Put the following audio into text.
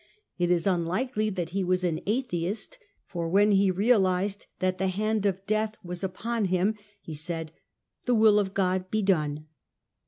It is unlikely that he was an atheist, for when he realised that the hand of death was upon him, he said, " The will of God be done."